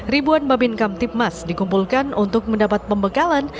ribuan babin kam timnas dikumpulkan untuk mendapat pembekalan